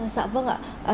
dạ vâng ạ